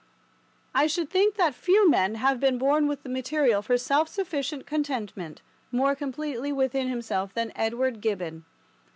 I should think that few men have been born with the material for self sufficient contentment more completely within himself than Edward Gibbon.